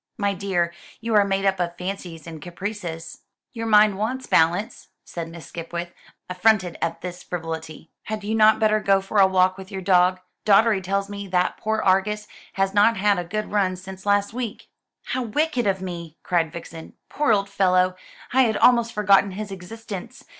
"My dear, you are made up of fancies and caprices. Your mind wants balance," said Miss Skipwith, affronted at this frivolity. "Had you not better go for a walk with your dog? Doddery tells me that poor Argus has not had a good run since last week." "How wicked of me!" cried Vixen. "Poor old fellow! I had almost forgotten his existence.